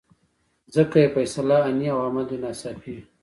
ځکه یې فیصله آني او عمل یې ناڅاپي وي.